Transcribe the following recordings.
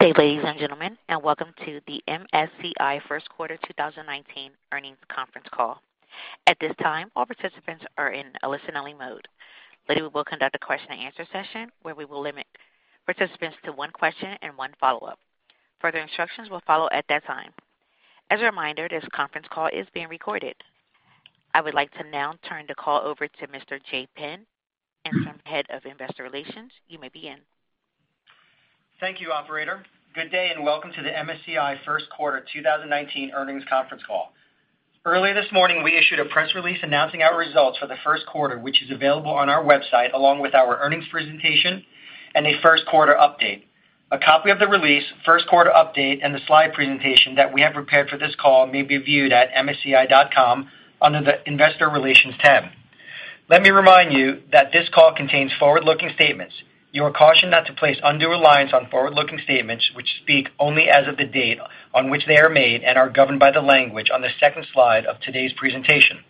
Good day, ladies and gentlemen. Welcome to the MSCI first quarter 2019 earnings conference call. At this time, all participants are in a listen-only mode. Later, we will conduct a question and answer session where we will limit participants to one question and one follow-up. Further instructions will follow at that time. As a reminder, this conference call is being recorded. I would like to now turn the call over to Mr. Jay Penn, interim head of Investor Relations. You may begin. Thank you, operator. Good day. Welcome to the MSCI first quarter 2019 earnings conference call. Early this morning, we issued a press release announcing our results for the first quarter, which is available on our website, along with our earnings presentation and a first-quarter update. A copy of the release, first-quarter update, and the slide presentation that we have prepared for this call may be viewed at msci.com under the Investor Relations tab. Let me remind you that this call contains forward-looking statements. You are cautioned not to place undue reliance on forward-looking statements, which speak only as of the date on which they are made and are governed by the language on the second slide of today's presentation.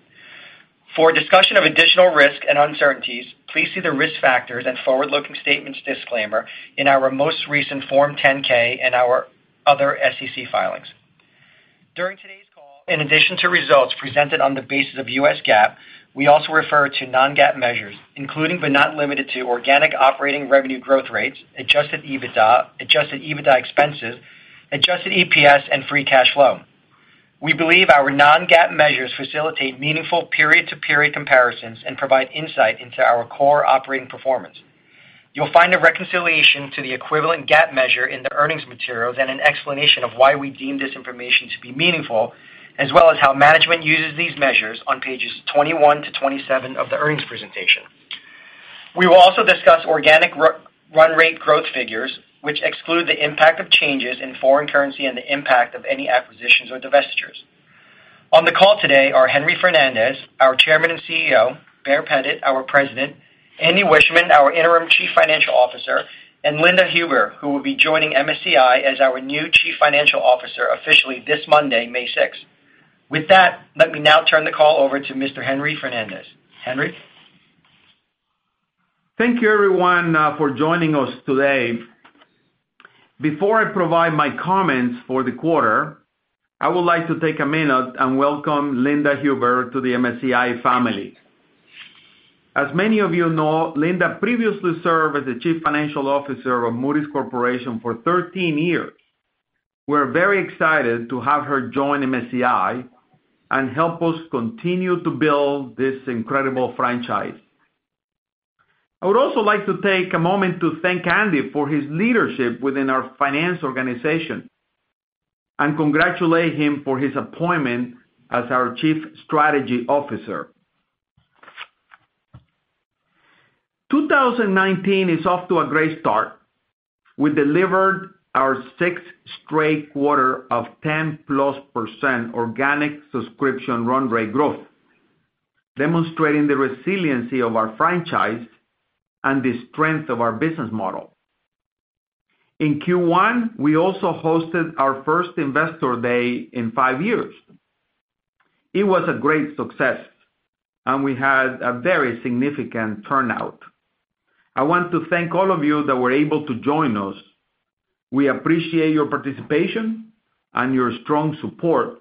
For a discussion of additional risks and uncertainties, please see the Risk Factors and Forward-Looking Statements disclaimer in our most recent Form 10-K and our other SEC filings. During today's call, in addition to results presented on the basis of U.S. GAAP, we also refer to non-GAAP measures, including but not limited to organic operating revenue growth rates, adjusted EBITDA, adjusted EBITDA expenses, adjusted EPS, and free cash flow. We believe our non-GAAP measures facilitate meaningful period-to-period comparisons and provide insight into our core operating performance. You will find a reconciliation to the equivalent GAAP measure in the earnings materials and an explanation of why we deem this information to be meaningful, as well as how management uses these measures on pages 21 to 27 of the earnings presentation. We will also discuss organic run rate growth figures, which exclude the impact of changes in foreign currency and the impact of any acquisitions or divestitures. On the call today are Henry Fernandez, our Chairman and CEO, Baer Pettit, our President, Andy Wiechmann, our Interim Chief Financial Officer, and Linda Huber, who will be joining MSCI as our new Chief Financial Officer officially this Monday, May 6th. Let me now turn the call over to Mr. Henry Fernandez. Henry. Thank you, everyone, for joining us today. Before I provide my comments for the quarter, I would like to take a minute and welcome Linda Huber to the MSCI family. As many of you know, Linda previously served as the Chief Financial Officer of Moody's Corporation for 13 years. We're very excited to have her join MSCI and help us continue to build this incredible franchise. I would also like to take a moment to thank Andy for his leadership within our finance organization and congratulate him for his appointment as our Chief Strategy Officer. 2019 is off to a great start. We delivered our sixth straight quarter of 10+% organic subscription run rate growth, demonstrating the resiliency of our franchise and the strength of our business model. In Q1, we also hosted our first Investor Day in five years. It was a great success. We had a very significant turnout. I want to thank all of you that were able to join us. We appreciate your participation and your strong support.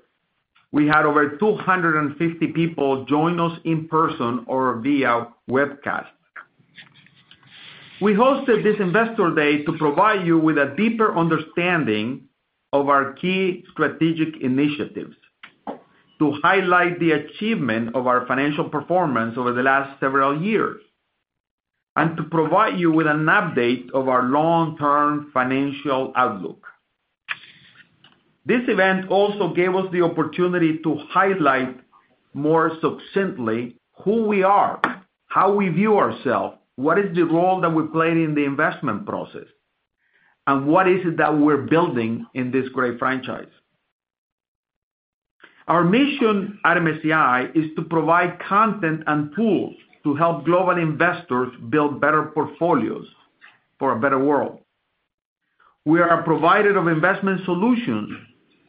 We had over 250 people join us in person or via webcast. We hosted this Investor Day to provide you with a deeper understanding of our key strategic initiatives, to highlight the achievement of our financial performance over the last several years, and to provide you with an update of our long-term financial outlook. This event also gave us the opportunity to highlight more succinctly who we are, how we view ourselves, what is the role that we play in the investment process, and what is it that we're building in this great franchise. Our mission at MSCI is to provide content and tools to help global investors build better portfolios for a better world. We are a provider of investment solutions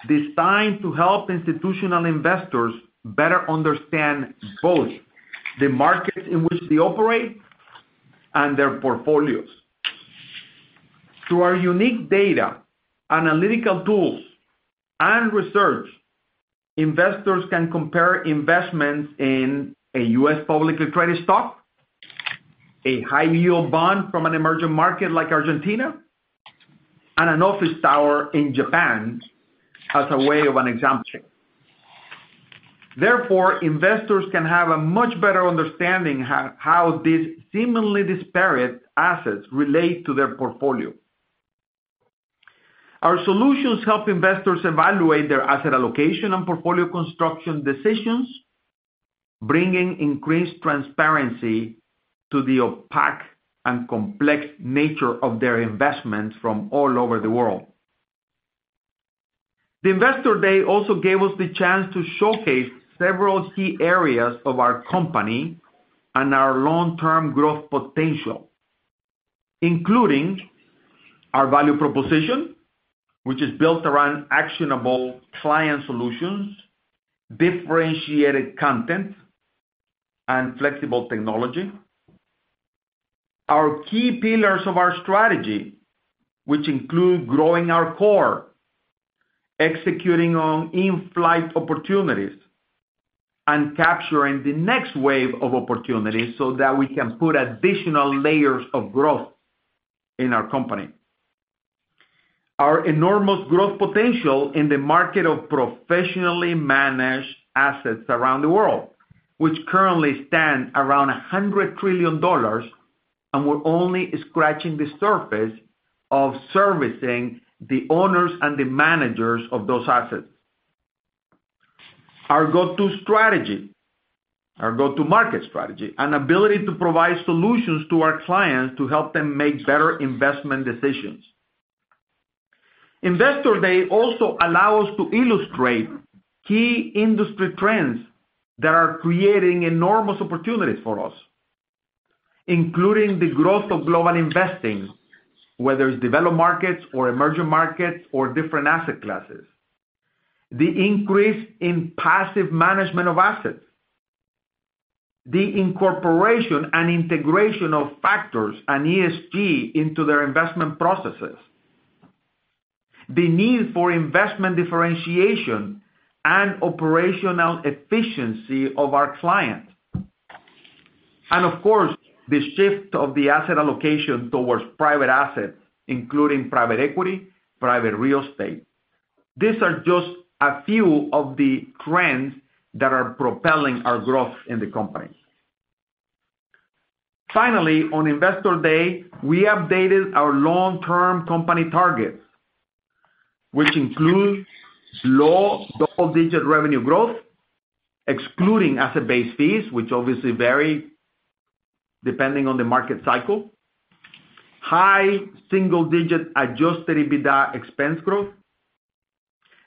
designed to help institutional investors better understand both the markets in which they operate and their portfolios. Through our unique data, analytical tools, and research, investors can compare investments in a U.S. publicly traded stock, a high-yield bond from an emerging market like Argentina, and an office tower in Japan as a way of an example. Therefore, investors can have a much better understanding how these seemingly disparate assets relate to their portfolio. Our solutions help investors evaluate their asset allocation and portfolio construction decisions, bringing increased transparency to the opaque and complex nature of their investments from all over the world. The Investor Day also gave us the chance to showcase several key areas of our company and our long-term growth potential, including our value proposition, which is built around actionable client solutions, differentiated content and flexible technology. Our key pillars of our strategy, which include growing our core, executing on in-flight opportunities, and capturing the next wave of opportunities so that we can put additional layers of growth in our company. Our enormous growth potential in the market of professionally managed assets around the world, which currently stand around $100 trillion. We're only scratching the surface of servicing the owners and the managers of those assets. Our go-to market strategy, and ability to provide solutions to our clients to help them make better investment decisions. Investor Day also allow us to illustrate key industry trends that are creating enormous opportunities for us, including the growth of global investing, whether it's developed markets or emerging markets or different asset classes. The increase in passive management of assets. The incorporation and integration of factors and ESG into their investment processes. Of course, the shift of the asset allocation towards private assets, including private equity, private real estate. These are just a few of the trends that are propelling our growth in the company. Finally, on Investor Day, we updated our long-term company targets, which include low double-digit revenue growth, excluding asset-based fees, which obviously vary depending on the market cycle, high single-digit adjusted EBITDA expense growth,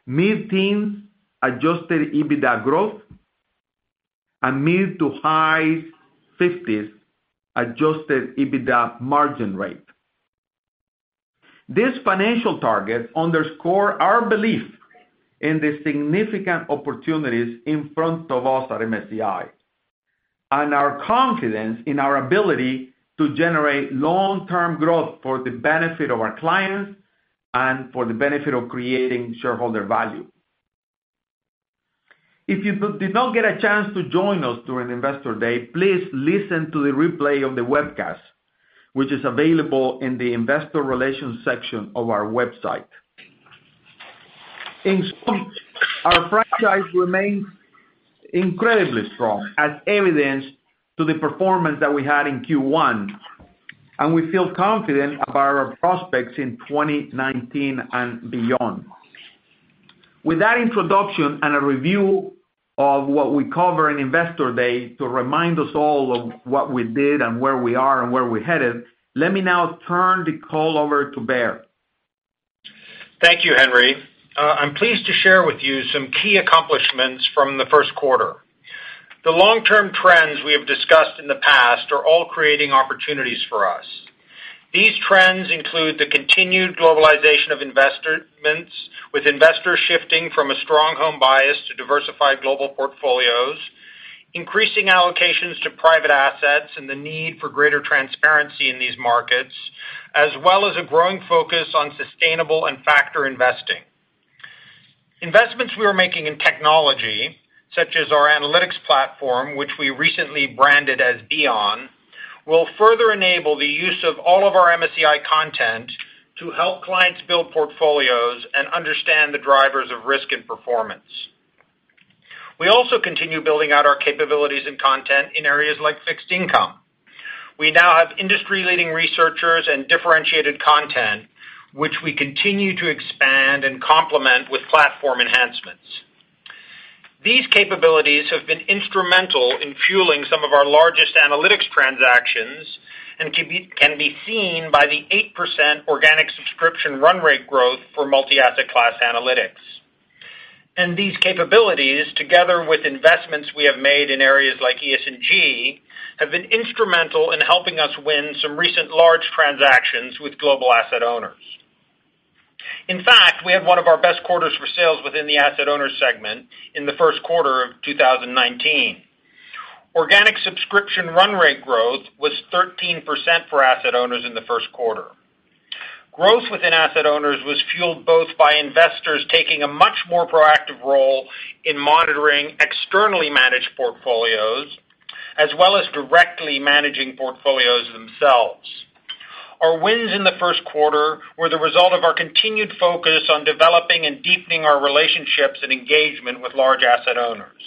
mid-teens adjusted EBITDA growth, and mid to high 50s adjusted EBITDA margin rate. These financial targets underscore our belief in the significant opportunities in front of us at MSCI, and our confidence in our ability to generate long-term growth for the benefit of our clients and for the benefit of creating shareholder value. If you did not get a chance to join us during Investor Day, please listen to the replay of the webcast, which is available in the investor relations section of our website. In short, our franchise remains incredibly strong, as evidenced to the performance that we had in Q1, and we feel confident about our prospects in 2019 and beyond. With that introduction and a review of what we cover in Investor Day to remind us all of what we did and where we are and where we're headed, let me now turn the call over to Baer. Thank you, Henry. I'm pleased to share with you some key accomplishments from the first quarter. The long-term trends we have discussed in the past are all creating opportunities for us. These trends include the continued globalization of investments, with investors shifting from a strong home bias to diversified global portfolios, increasing allocations to private assets and the need for greater transparency in these markets, as well as a growing focus on sustainable and factor investing. Investments we are making in technology, such as our analytics platform, which we recently branded as MSCI Beon, will further enable the use of all of our MSCI content to help clients build portfolios and understand the drivers of risk and performance. We also continue building out our capabilities and content in areas like fixed income. We now have industry-leading researchers and differentiated content, which we continue to expand and complement with platform enhancements. These capabilities have been instrumental in fueling some of our largest analytics transactions and can be seen by the 8% organic subscription run rate growth for multi-asset class analytics. These capabilities, together with investments we have made in areas like ESG, have been instrumental in helping us win some recent large transactions with global asset owners. In fact, we had one of our best quarters for sales within the asset owner segment in the first quarter of 2019. Organic subscription run rate growth was 13% for asset owners in the first quarter. Growth within asset owners was fueled both by investors taking a much more proactive role in monitoring externally managed portfolios, as well as directly managing portfolios themselves. Our wins in the first quarter were the result of our continued focus on developing and deepening our relationships and engagement with large asset owners.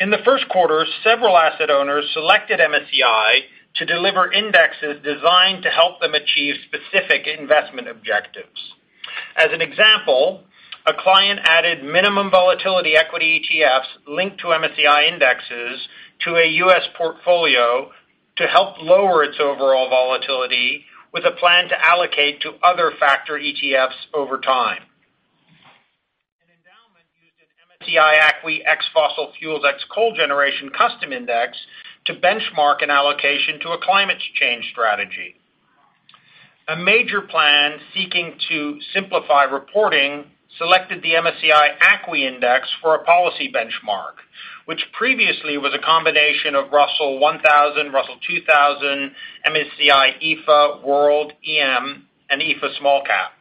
In the first quarter, several asset owners selected MSCI to deliver indexes designed to help them achieve specific investment objectives. As an example, a client added minimum volatility equity ETFs linked to MSCI indexes to a U.S. portfolio to help lower its overall volatility, with a plan to allocate to other factor ETFs over time. An endowment used an MSCI ACWI ex fossil fuels, ex coal generation custom index to benchmark an allocation to a climate change strategy. A major plan seeking to simplify reporting selected the MSCI ACWI index for a policy benchmark, which previously was a combination of Russell 1000, Russell 2000, MSCI EAFE, World EM, and MSCI EAFE Small Cap.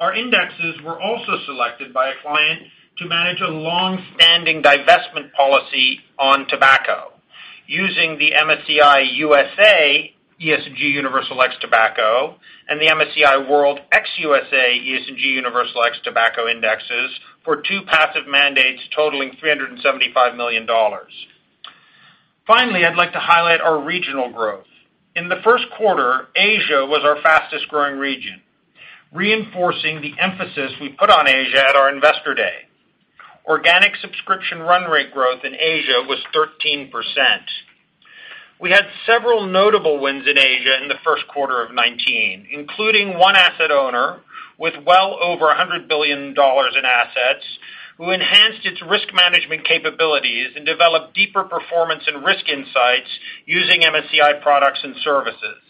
Our indexes were also selected by a client to manage a long-standing divestment policy on tobacco using the MSCI USA ESG Universal ex Tobacco and the MSCI World ex USA ESG Universal ex Tobacco indexes for two passive mandates totaling $375 million. Finally, I'd like to highlight our regional growth. In the first quarter, Asia was our fastest-growing region, reinforcing the emphasis we put on Asia at our Investor Day. Organic subscription run rate growth in Asia was 13%. We had several notable wins in Asia in the first quarter of 2019, including one asset owner with well over $100 billion in assets, who enhanced its risk management capabilities and developed deeper performance and risk insights using MSCI products and services.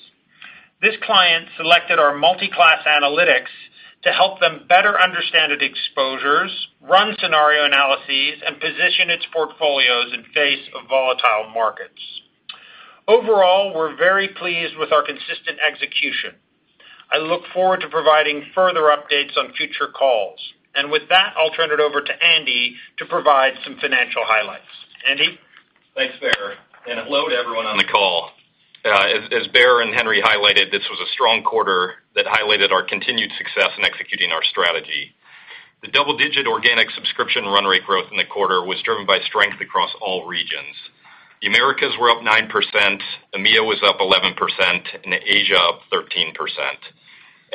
This client selected our multi-class analytics to help them better understand its exposures, run scenario analyses, and position its portfolios in face of volatile markets. Overall, we're very pleased with our consistent execution. I look forward to providing further updates on future calls. With that, I'll turn it over to Andy to provide some financial highlights. Andy? Thanks, Baer, hello to everyone on the call. As Baer and Henry highlighted, this was a strong quarter that highlighted our continued success in executing our strategy. The double-digit organic subscription run rate growth in the quarter was driven by strength across all regions. The Americas were up 9%, EMEA was up 11%, and Asia up 13%.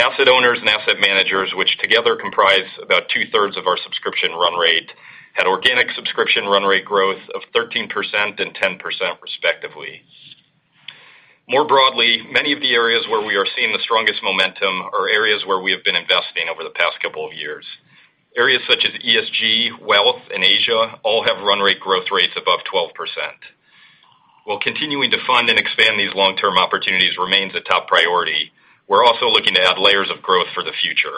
Asset owners and asset managers, which together comprise about two-thirds of our subscription run rate, had organic subscription run rate growth of 13% and 10%, respectively. More broadly, many of the areas where we are seeing the strongest momentum are areas where we have been investing over the past couple of years. Areas such as ESG, Wealth, and Asia all have run rate growth rates above 12%. While continuing to fund and expand these long-term opportunities remains a top priority, we're also looking to add layers of growth for the future.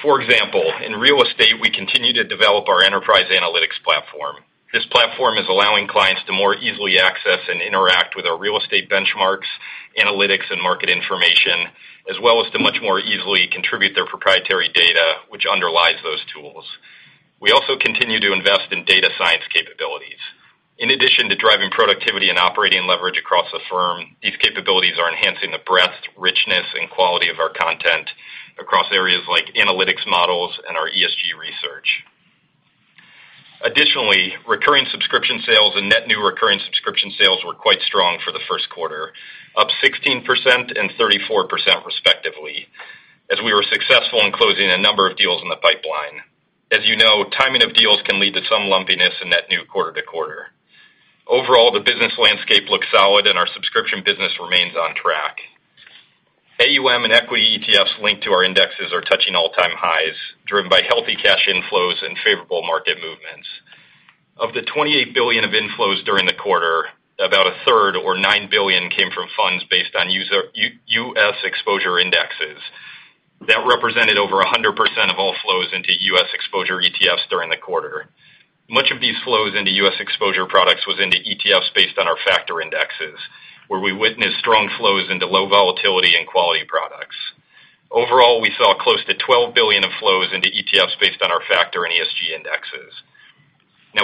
For example, in real estate, we continue to develop our enterprise analytics platform. This platform is allowing clients to more easily access and interact with our real estate benchmarks, analytics, and market information, as well as to much more easily contribute their proprietary data, which underlies those tools. We also continue to invest in data science capabilities. In addition to driving productivity and operating leverage across the firm, these capabilities are enhancing the breadth, richness, and quality of our content across areas like analytics models and our ESG research. Additionally, recurring subscription sales and net new recurring subscription sales were quite strong for the first quarter, up 16% and 34% respectively, as we were successful in closing a number of deals in the pipeline. As you know, timing of deals can lead to some lumpiness in net new quarter to quarter. Overall, the business landscape looks solid, and our subscription business remains on track. AUM and equity ETFs linked to our indexes are touching all-time highs, driven by healthy cash inflows and favorable market movements. Of the $28 billion of inflows during the quarter, about a third or $9 billion came from funds based on U.S. exposure indexes. That represented over 100% of all flows into U.S. exposure ETFs during the quarter. Much of these flows into U.S. exposure products was into ETFs based on our factor indexes, where we witnessed strong flows into low volatility and quality products. Overall, we saw close to $12 billion of flows into ETFs based on our factor and ESG indexes.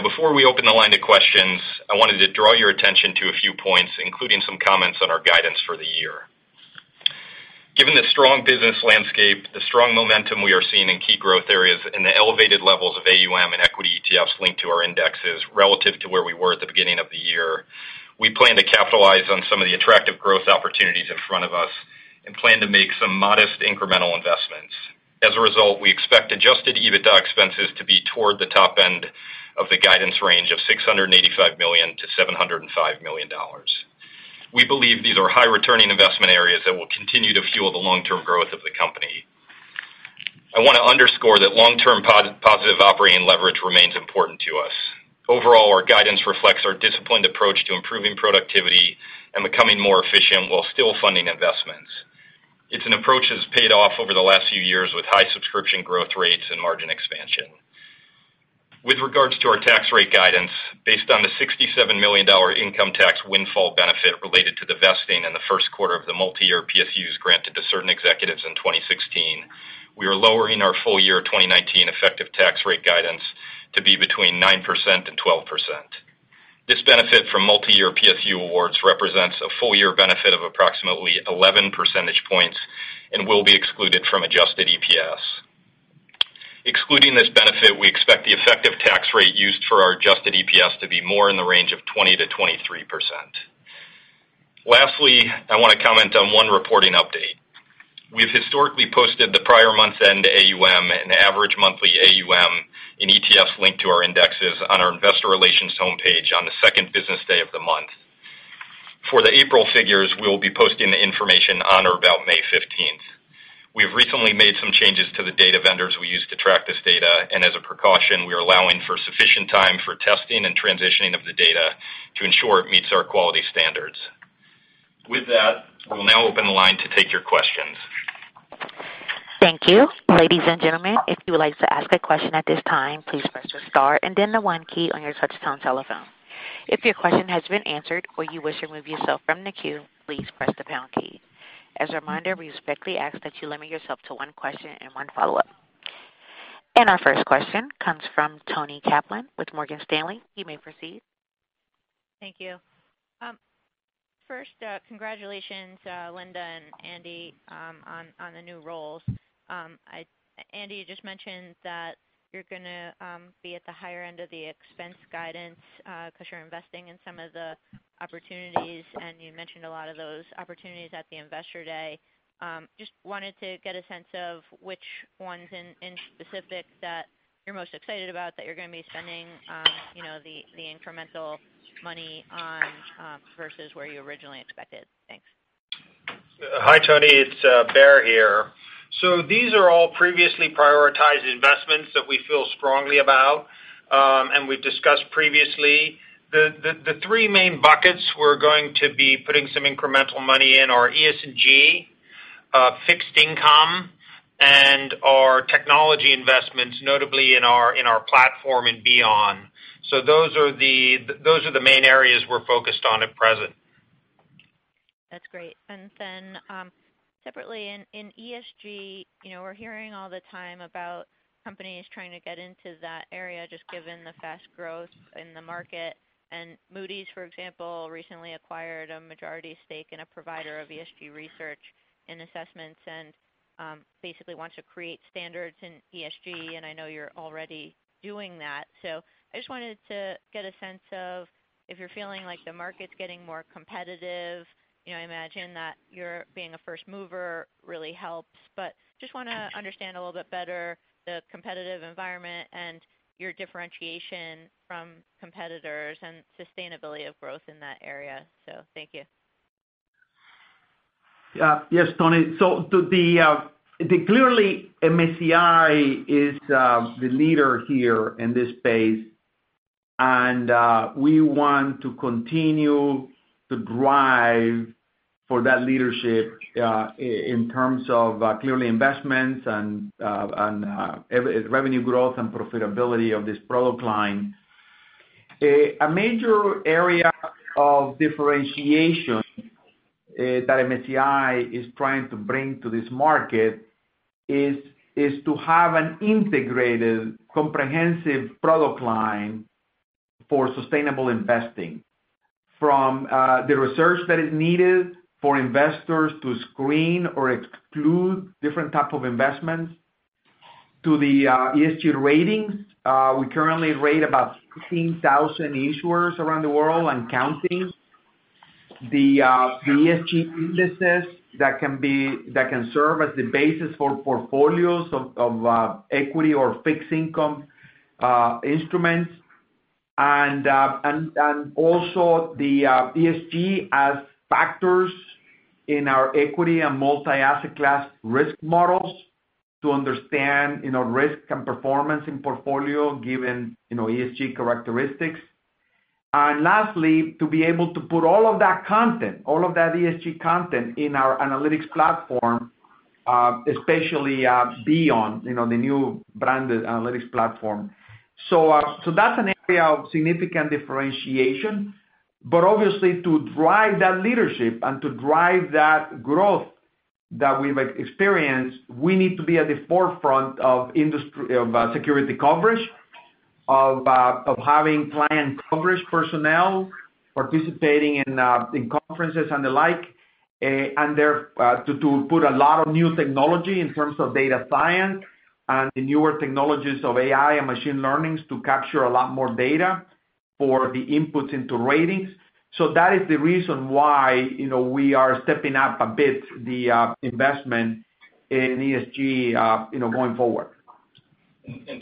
Before we open the line to questions, I wanted to draw your attention to a few points, including some comments on our guidance for the year. Given the strong business landscape, the strong momentum we are seeing in key growth areas, and the elevated levels of AUM and equity ETFs linked to our indexes relative to where we were at the beginning of the year, we plan to capitalize on some of the attractive growth opportunities in front of us and plan to make some modest incremental investments. As a result, we expect adjusted EBITDA expenses to be toward the top end of the guidance range of $685 million-$705 million. We believe these are high-returning investment areas that will continue to fuel the long-term growth of the company. I want to underscore that long-term positive operating leverage remains important to us. Overall, our guidance reflects our disciplined approach to improving productivity and becoming more efficient while still funding investments. It's an approach that's paid off over the last few years with high subscription growth rates and margin expansion. With regards to our tax rate guidance, based on the $67 million income tax windfall benefit related to divesting in the first quarter of the multi-year PSUs granted to certain executives in 2016, we are lowering our full year 2019 effective tax rate guidance to be between 9%-12%. This benefit from multi-year PSU awards represents a full-year benefit of approximately 11 percentage points and will be excluded from adjusted EPS. Excluding this benefit, we expect the effective tax rate used for our adjusted EPS to be more in the range of 20%-23%. Lastly, I want to comment on one reporting update. We've historically posted the prior month's end AUM and average monthly AUM in ETFs linked to our indexes on our investor relations homepage on the second business day of the month. For the April figures, we'll be posting the information on or about May 15th. We have recently made some changes to the data vendors we use to track this data, and as a precaution, we are allowing for sufficient time for testing and transitioning of the data to ensure it meets our quality standards. With that, we'll now open the line to take your questions. Thank you. Ladies and gentlemen, if you would like to ask a question at this time, please press the star and then the one key on your touch-tone telephone. If your question has been answered or you wish to remove yourself from the queue, please press the pound key. As a reminder, we respectfully ask that you limit yourself to one question and one follow-up. Our first question comes from Toni Kaplan with Morgan Stanley. You may proceed. Thank you. First, congratulations, Linda and Andy, on the new roles. Andy, you just mentioned that you're going to be at the higher end of the expense guidance because you're investing in some of the opportunities, and you mentioned a lot of those opportunities at the Investor Day. Just wanted to get a sense of which ones in specific that you're most excited about that you're going to be spending the incremental money on, versus where you originally expected. Thanks. Hi, Toni. It's Baer here. These are all previously prioritized investments that we feel strongly about. We've discussed previously the three main buckets we're going to be putting some incremental money in are ES and G, fixed income, and our technology investments, notably in our platform and Beon. Those are the main areas we're focused on at present. Separately, in ESG, we're hearing all the time about companies trying to get into that area, just given the fast growth in the market. Moody's, for example, recently acquired a majority stake in a provider of ESG research and assessments. Basically wants to create standards in ESG. I know you're already doing that. I just wanted to get a sense of if you're feeling like the market's getting more competitive. I imagine that your being a first mover really helps, just want to understand a little bit better the competitive environment and your differentiation from competitors and sustainability of growth in that area. Thank you. Yes, Toni. Clearly, MSCI is the leader here in this space. We want to continue to drive for that leadership in terms of clearly investments and revenue growth and profitability of this product line. A major area of differentiation that MSCI is trying to bring to this market is to have an integrated, comprehensive product line for sustainable investing. From the research that is needed for investors to screen or exclude different type of investments to the ESG ratings. We currently rate about 16,000 issuers around the world and counting. The ESG indexes that can serve as the basis for portfolios of equity or fixed income instruments. Also the ESG as factors in our equity and multi-asset class risk models to understand risk and performance in portfolio given ESG characteristics. Lastly, to be able to put all of that content, all of that ESG content in our analytics platform, especially Beon, the new branded analytics platform. That's an area of significant differentiation. Obviously, to drive that leadership and to drive that growth that we might experience, we need to be at the forefront of industry, of security coverage, of having client coverage personnel participating in conferences and the like. To put a lot of new technology in terms of data science and the newer technologies of AI and machine learnings to capture a lot more data for the inputs into ratings. That is the reason why we are stepping up a bit the investment in ESG going forward.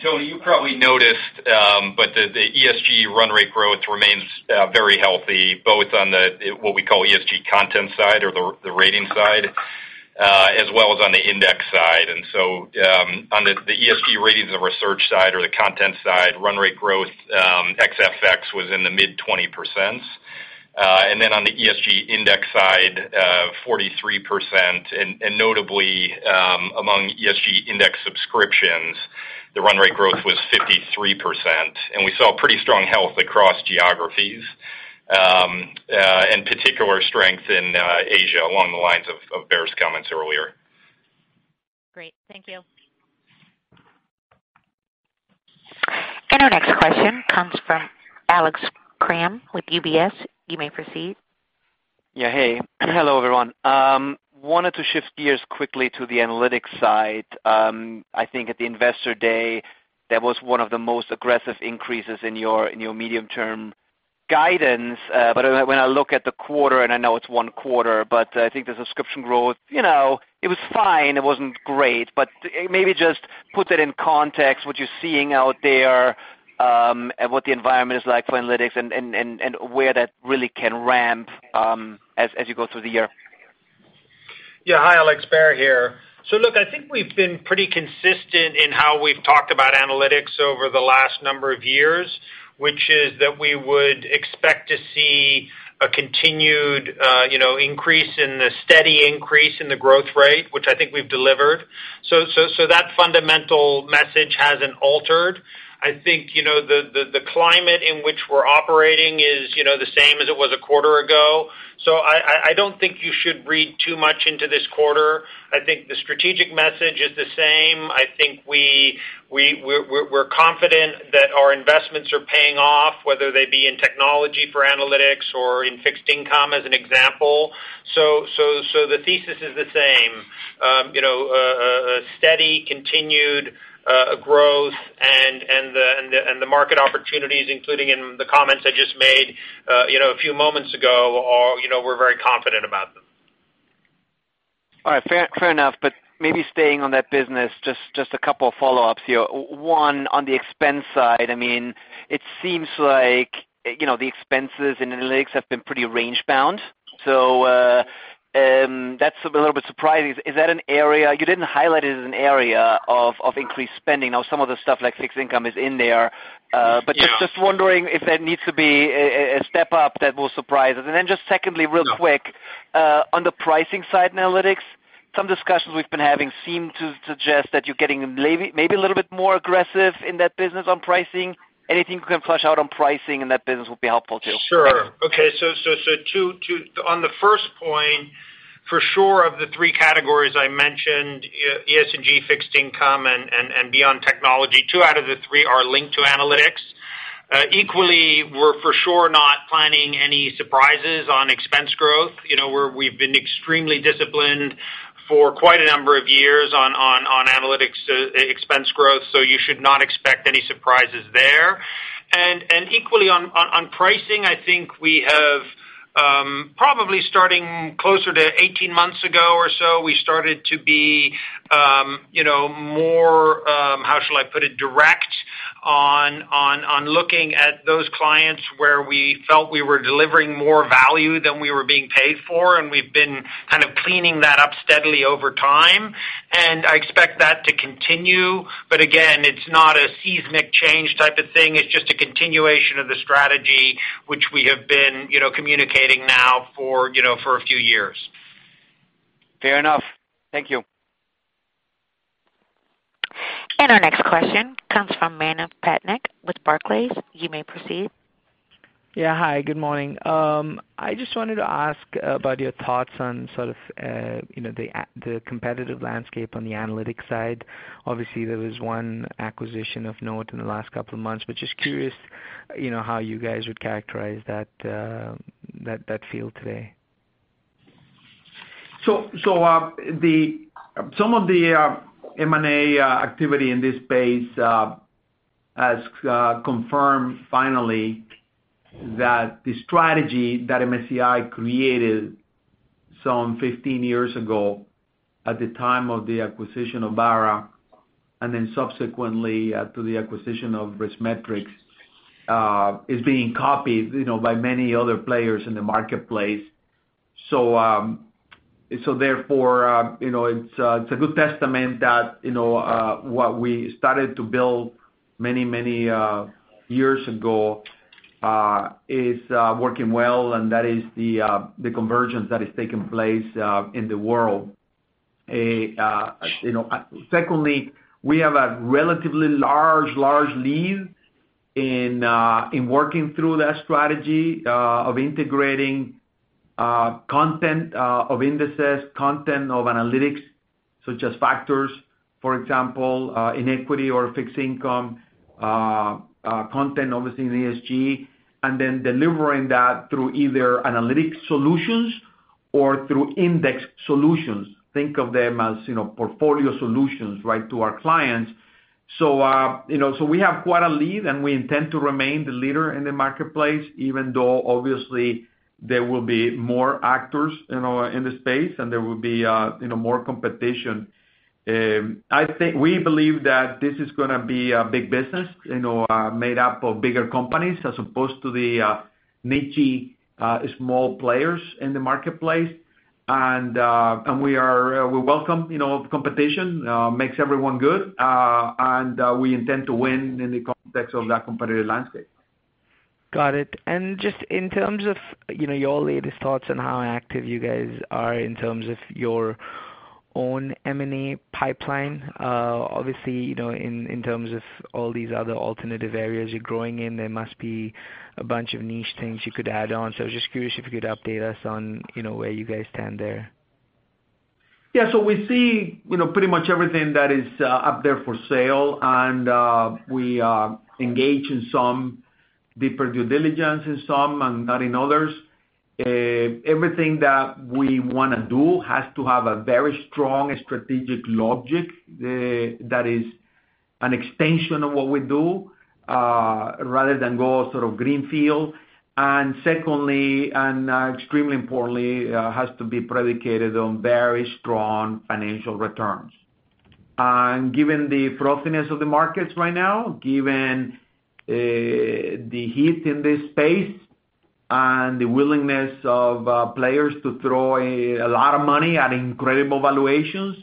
Toni, you probably noticed, the ESG run rate growth remains very healthy, both on the, what we call ESG content side or the rating side, as well as on the index side. On the ESG ratings and research side or the content side, run rate growth ex FX was in the mid 20%. On the ESG index side, 43%. Notably, among ESG index subscriptions, the run rate growth was 53%. We saw pretty strong health across geographies, in particular strength in Asia along the lines of Baer's comments earlier. Great. Thank you. Our next question comes from Alex Kramm with UBS. You may proceed. Hello, everyone. Wanted to shift gears quickly to the analytics side. I think at the Investor Day, that was one of the most aggressive increases in your medium-term guidance. When I look at the quarter, and I know it's one quarter, but I think the subscription growth, it was fine. It wasn't great, but maybe just put that in context what you're seeing out there and what the environment is like for analytics and where that really can ramp as you go through the year. Hi, Alex. Baer here. Look, I think we've been pretty consistent in how we've talked about analytics over the last number of years, which is that we would expect to see a continued increase and a steady increase in the growth rate, which I think we've delivered. That fundamental message hasn't altered. I think the climate in which we're operating is the same as it was a quarter ago. I don't think you should read too much into this quarter. I think the strategic message is the same. I think we're confident that our investments are paying off, whether they be in technology for analytics or in fixed income as an example. The thesis is the same. A steady, continued growth and the market opportunities, including in the comments I just made a few moments ago are we're very confident about them. Maybe staying on that business, just a couple of follow-ups here. One, on the expense side, it seems like the expenses in analytics have been pretty range bound. That's a little bit surprising. You didn't highlight it as an area of increased spending. Some of the stuff like fixed income is in there- Yeah Just wondering if there needs to be a step up that will surprise us. Just secondly, real quick, on the pricing side analytics, some discussions we've been having seem to suggest that you're getting maybe a little bit more aggressive in that business on pricing. Anything you can flush out on pricing in that business would be helpful too. Sure. Okay. On the first point, for sure, of the three categories I mentioned, ESG fixed income and beyond technology, two out of the three are linked to analytics. Equally, we're for sure not planning any surprises on expense growth. We've been extremely disciplined for quite a number of years on analytics expense growth, so you should not expect any surprises there. Equally on pricing, I think we have probably starting closer to 18 months ago or so, we started to be more, how shall I put it, direct on looking at those clients where we felt we were delivering more value than we were being paid for, and we've been kind of cleaning that up steadily over time. I expect that to continue, but again, it's not a seismic change type of thing. It's just a continuation of the strategy which we have been communicating now for a few years. Fair enough. Thank you. Our next question comes from Manav Patnaik with Barclays. You may proceed. Yeah. Hi, good morning. I just wanted to ask about your thoughts on sort of the competitive landscape on the analytics side. Obviously, there was one acquisition of note in the last couple of months, but just curious, how you guys would characterize that field today. Some of the M&A activity in this space has confirmed finally that the strategy that MSCI created some 15 years ago at the time of the acquisition of Barra, and then subsequently to the acquisition of RiskMetrics, is being copied by many other players in the marketplace. Therefore, it's a good testament that what we started to build many years ago, is working well, and that is the convergence that is taking place in the world. Secondly, we have a relatively large lead in working through that strategy of integrating content of indices, content of analytics, such as factors, for example, in equity or fixed income, content obviously in ESG, and then delivering that through either analytic solutions or through index solutions. Think of them as portfolio solutions to our clients. We have quite a lead, and we intend to remain the leader in the marketplace, even though obviously there will be more actors in the space, and there will be more competition. We believe that this is going to be a big business, made up of bigger companies as opposed to the niche-y small players in the marketplace. We welcome competition, makes everyone good, and we intend to win in the context of that competitive landscape. Got it. Just in terms of your latest thoughts on how active you guys are in terms of your own M&A pipeline. Obviously, in terms of all these other alternative areas you're growing in, there must be a bunch of niche things you could add on. Just curious if you could update us on where you guys stand there. We see pretty much everything that is up there for sale, and we engage in some deeper due diligence in some and not in others. Everything that we want to do has to have a very strong strategic logic that is an extension of what we do, rather than go sort of greenfield. Secondly, and extremely importantly, has to be predicated on very strong financial returns. Given the frothiness of the markets right now, given the heat in this space. The willingness of players to throw a lot of money at incredible valuations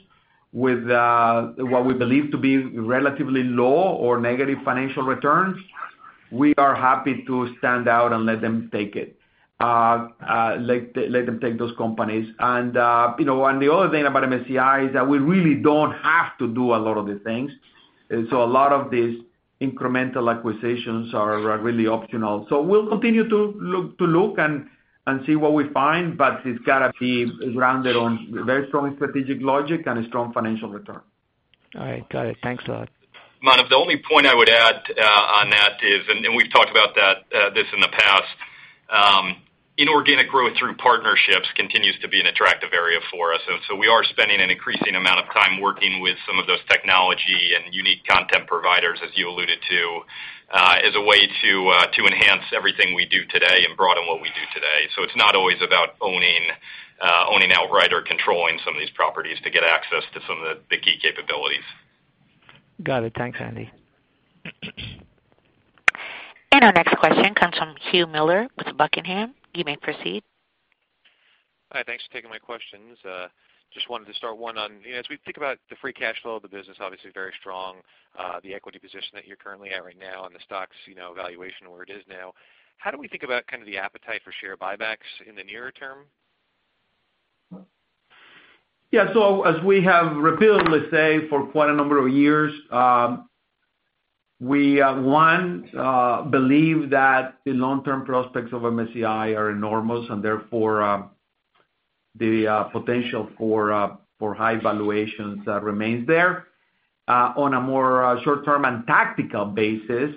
with what we believe to be relatively low or negative financial returns. We are happy to stand out and let them take those companies. The other thing about MSCI is that we really don't have to do a lot of the things. A lot of these incremental acquisitions are really optional. We'll continue to look and see what we find, but it's got to be grounded on very strong strategic logic and a strong financial return. All right. Got it. Thanks a lot. Manav, the only point I would add on that is, we've talked about this in the past, inorganic growth through partnerships continues to be an attractive area for us. We are spending an increasing amount of time working with some of those technology and unique content providers, as you alluded to, as a way to enhance everything we do today and broaden what we do today. It's not always about owning outright or controlling some of these properties to get access to some of the key capabilities. Got it. Thanks, Andy. Our next question comes from Hugh Miller with Buckingham Research Group. You may proceed. Hi. Thanks for taking my questions. Just wanted to start one on, as we think about the free cash flow of the business, obviously very strong, the equity position that you're currently at right now and the stock's valuation where it is now, how do we think about the appetite for share buybacks in the nearer term? Yeah. As we have repeatedly said for quite a number of years, we, one, believe that the long-term prospects of MSCI are enormous, and therefore, the potential for high valuations remains there. On a more short-term and tactical basis,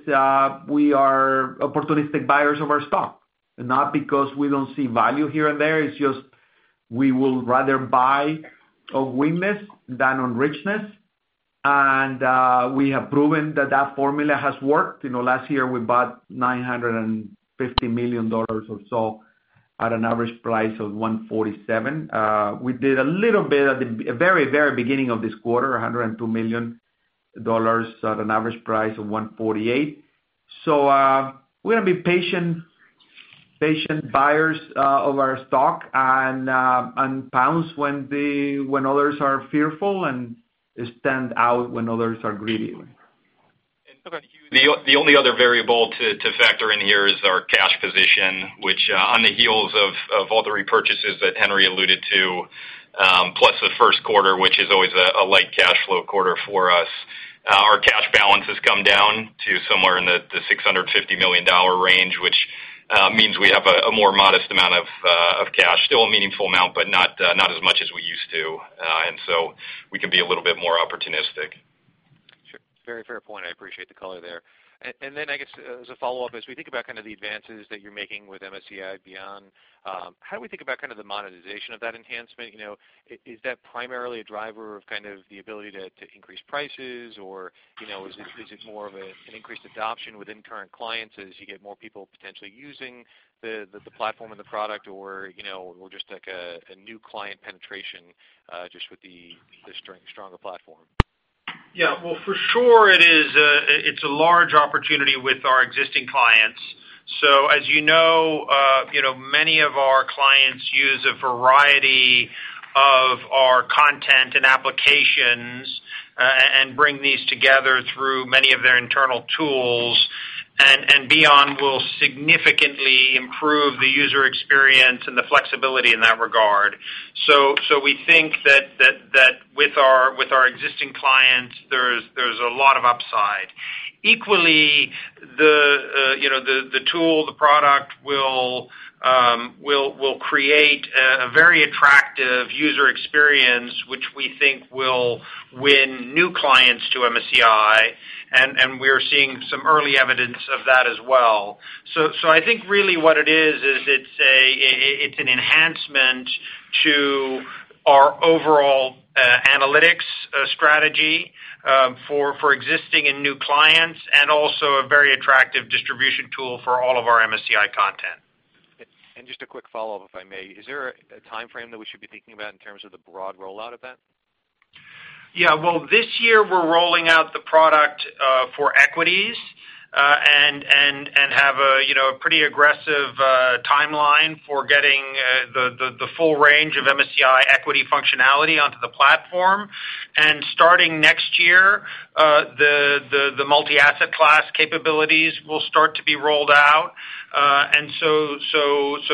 we are opportunistic buyers of our stock. Not because we don't see value here and there, it's just we will rather buy on weakness than on richness, and we have proven that formula has worked. Last year, we bought $950 million or so at an average price of $147. We did a little bit at the very beginning of this quarter, $102 million at an average price of $148. We're going to be patient buyers of our stock and pounce when others are fearful and stand out when others are greedy. The only other variable to factor in here is our cash position, which on the heels of all the repurchases that Henry alluded to, plus the first quarter, which is always a light cash flow quarter for us, our cash balance has come down to somewhere in the $650 million range, which means we have a more modest amount of cash. Still a meaningful amount, but not as much as we used to. We can be a little bit more opportunistic. Sure. Very fair point. I appreciate the color there. I guess as a follow-up, as we think about the advances that you're making with MSCI Beon, how do we think about the monetization of that enhancement? Is that primarily a driver of the ability to increase prices, or is it more of an increased adoption within current clients as you get more people potentially using the platform and the product or just like a new client penetration just with the stronger platform? Well, for sure it's a large opportunity with our existing clients. As you know, many of our clients use a variety of our content and applications and bring these together through many of their internal tools, MSCI Beon will significantly improve the user experience and the flexibility in that regard. We think that with our existing clients, there's a lot of upside. Equally, the tool, the product will create a very attractive user experience, which we think will win new clients to MSCI, we are seeing some early evidence of that as well. I think really what it is it's an enhancement to our overall analytics strategy for existing and new clients, and also a very attractive distribution tool for all of our MSCI content. Just a quick follow-up, if I may. Is there a time frame that we should be thinking about in terms of the broad rollout of that? Well, this year we're rolling out the product for equities and have a pretty aggressive timeline for getting the full range of MSCI equity functionality onto the platform. Starting next year, the multi-asset class capabilities will start to be rolled out.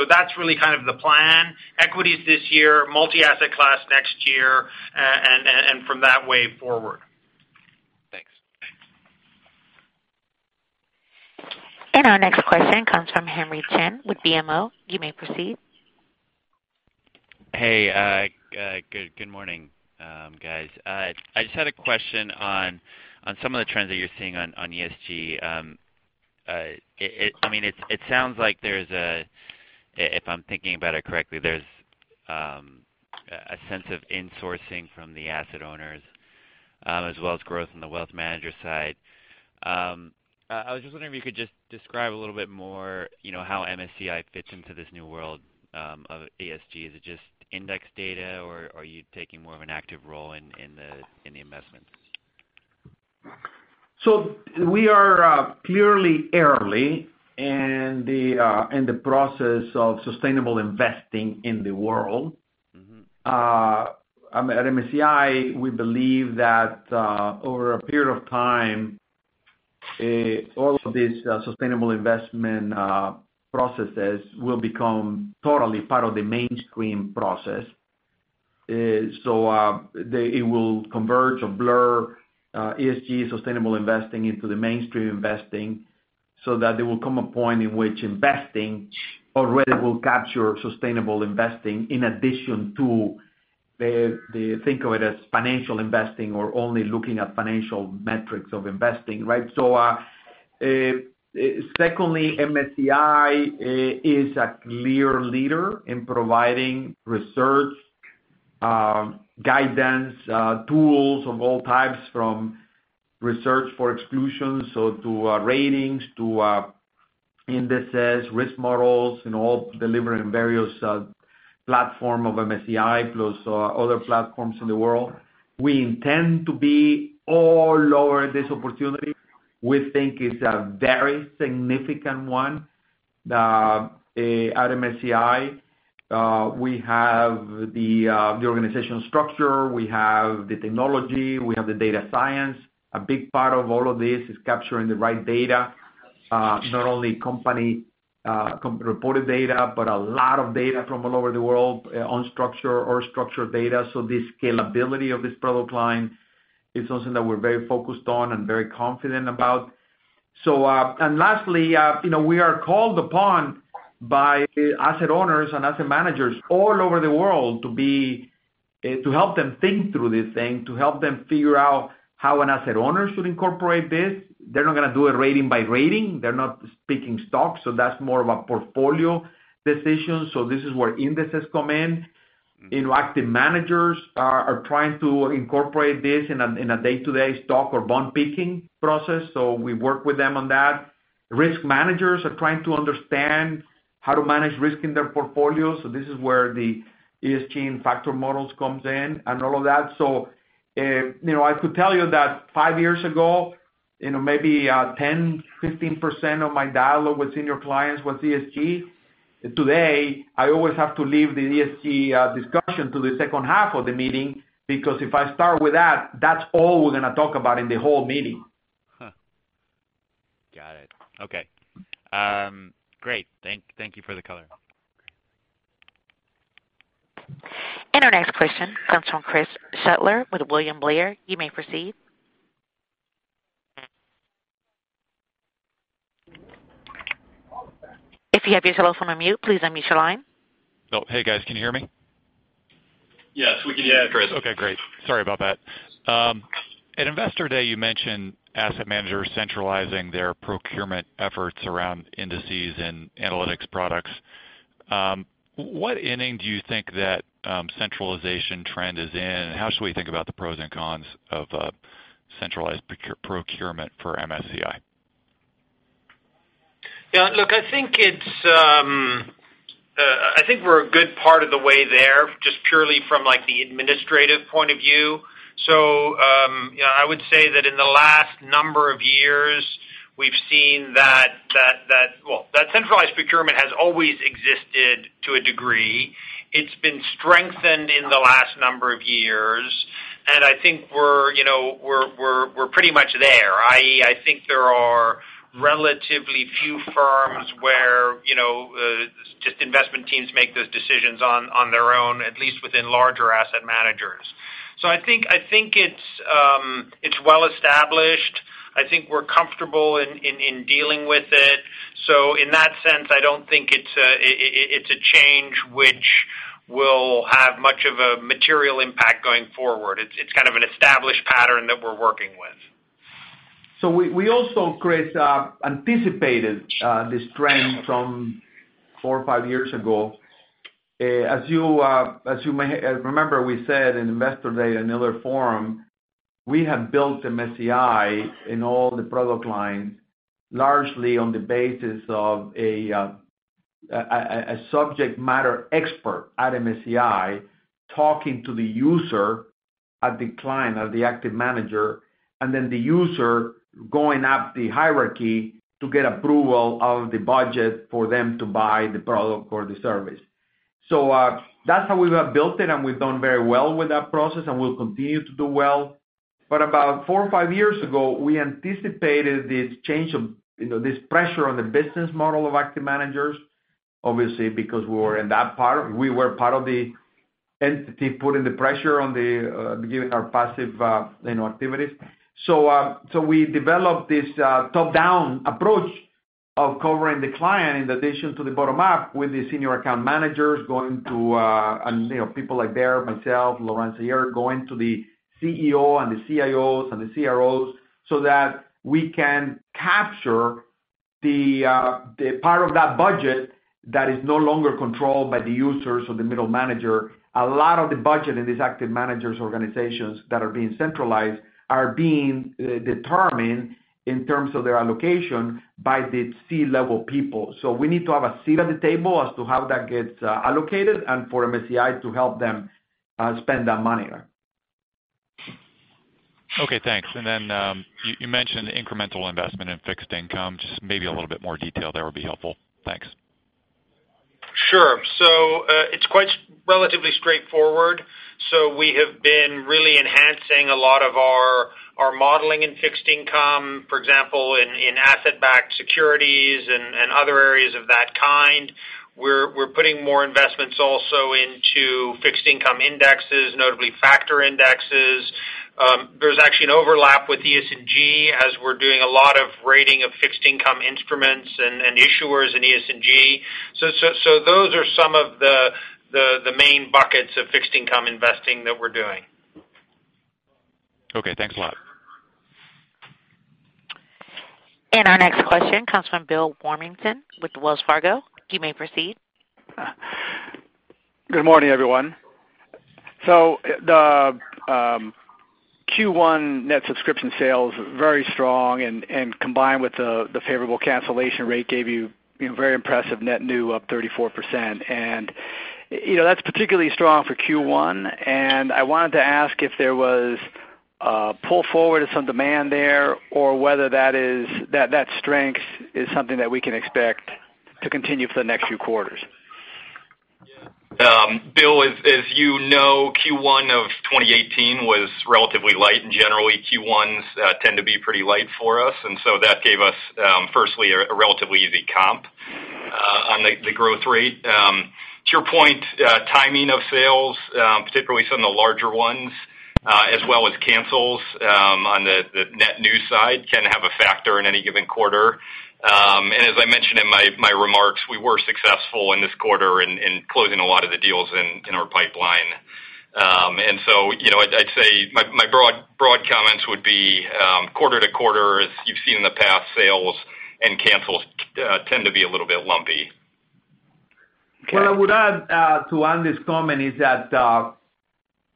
That's really the plan. Equities this year, multi-asset class next year, and from that way forward. Thanks. Our next question comes from Henry Chin with BMO. You may proceed. Hey, good morning, guys. I just had a question on some of the trends that you're seeing on ESG. It sounds like, if I'm thinking about it correctly, there's a sense of insourcing from the asset owners as well as growth on the wealth manager side. I was just wondering if you could just describe a little bit more how MSCI fits into this new world of ESG. Is it just index data, or are you taking more of an active role in the investments? We are clearly early in the process of sustainable investing in the world. At MSCI, we believe that over a period of time, all of these sustainable investment processes will become totally part of the mainstream process. It will converge or blur ESG sustainable investing into the mainstream investing, so that there will come a point in which investing already will capture sustainable investing in addition to. Think of it as financial investing or only looking at financial metrics of investing. Right? Secondly, MSCI is a clear leader in providing research, guidance, tools of all types, from research for exclusion, so to ratings, to indices, risk models, and all delivering various platform of MSCI plus other platforms in the world. We intend to be all over this opportunity. We think it's a very significant one. At MSCI, we have the organizational structure, we have the technology, we have the data science. A big part of all of this is capturing the right data. Not only company-reported data, but a lot of data from all over the world on structure, or structure data. The scalability of this product line is something that we're very focused on and very confident about. Lastly, we are called upon by asset owners and asset managers all over the world to help them think through this thing, to help them figure out how an asset owner should incorporate this. They're not going to do it rating by rating. They're not picking stocks, so that's more of a portfolio decision. This is where indices come in. Active managers are trying to incorporate this in a day-to-day stock or bond picking process. We work with them on that. Risk managers are trying to understand how to manage risk in their portfolios. This is where the ESG and factor models comes in and all of that. I could tell you that five years ago, maybe 10%, 15% of my dialogue with senior clients was ESG. Today, I always have to leave the ESG discussion to the second half of the meeting, because if I start with that's all we're going to talk about in the whole meeting. Huh. Got it. Okay. Great. Thank you for the color. Our next question comes from Chris Shutler with William Blair. You may proceed. If you have yourself on mute, please unmute your line. Oh, hey guys, can you hear me? Yes, we can hear you, Chris. Yeah. Okay, great. Sorry about that. At Investor Day, you mentioned asset managers centralizing their procurement efforts around indices and analytics products. What inning do you think that centralization trend is in? How should we think about the pros and cons of centralized procurement for MSCI? Yeah, look, I think we're a good part of the way there, just purely from the administrative point of view. I would say that in the last number of years, we've seen that Well, that centralized procurement has always existed to a degree. It's been strengthened in the last number of years. I think we're pretty much there, i.e., I think there are relatively few firms where just investment teams make those decisions on their own, at least within larger asset managers. I think it's well-established. I think we're comfortable in dealing with it. In that sense, I don't think it's a change which will have much of a material impact going forward. It's kind of an established pattern that we're working with. We also, Chris, anticipated this trend from four or five years ago. As you may remember we said in Investor Day and the other forum, we have built MSCI in all the product lines, largely on the basis of a subject matter expert at MSCI talking to the user at the client or the active manager, and then the user going up the hierarchy to get approval of the budget for them to buy the product or the service. That's how we have built it, we've done very well with that process, and we'll continue to do well. About four or five years ago, we anticipated this change of this pressure on the business model of active managers, obviously because we were part of the entity putting the pressure on giving our passive activities. We developed this top-down approach of covering the client in addition to the bottom up with the senior account managers going to people like Baer, myself, Laurent, going to the CEO and the CIOs and the CROs so that we can capture the part of that budget that is no longer controlled by the users or the middle manager. A lot of the budget in these active managers organizations that are being centralized are being determined in terms of their allocation by the C-level people. We need to have a seat at the table as to how that gets allocated and for MSCI to help them spend that money. Okay, thanks. You mentioned incremental investment in fixed income. Just maybe a little bit more detail there would be helpful. Thanks. Sure. It's quite relatively straightforward. We have been really enhancing a lot of our modeling in fixed income, for example, in asset-backed securities and other areas of that kind. We're putting more investments also into fixed income indexes, notably factor indexes. There's actually an overlap with ESG as we're doing a lot of rating of fixed income instruments and issuers in ESG. Those are some of the main buckets of fixed income investing that we're doing. Okay, thanks a lot. Our next question comes from Bill Warmington with Wells Fargo. You may proceed. The Q1 net subscription sales, very strong, and combined with the favorable cancellation rate gave you very impressive net new up 34%. That's particularly strong for Q1, and I wanted to ask if there was a pull forward of some demand there or whether that strength is something that we can expect to continue for the next few quarters. Bill, as you know, Q1 of 2018 was relatively light. Generally, Q1s tend to be pretty light for us, so that gave us, firstly, a relatively easy comp on the growth rate. To your point, timing of sales, particularly some of the larger ones, as well as cancels on the net new side, can have a factor in any given quarter. As I mentioned in my remarks, we were successful in this quarter in closing a lot of the deals in our pipeline. I'd say my broad comments would be, quarter to quarter, as you've seen in the past, sales and cancels tend to be a little bit lumpy. What I would add to Andy's comment is that